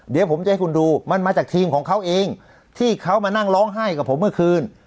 เดี๋ยวผมจะให้คุณดูมันมาจากทีมของเขาเองที่เขามานั่งร้องไห้กับผมเมื่อคืน